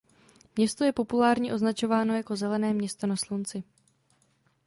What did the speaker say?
Město je populárně označováno jako zelené město na slunci.